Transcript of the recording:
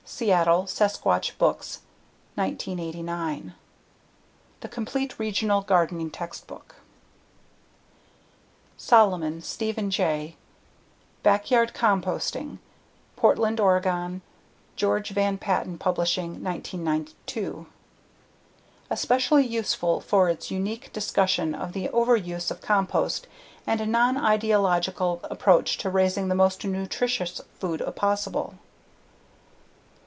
_ Seattle: Sasquatch Books, 1989. The complete regional gardening textbook. . Backyard Composting. Portland, Ore.: George van Patten Publishing, 1992. Especially useful for its unique discussion of the overuse of compost and a nonideological approach to raising the most nutritious food possible.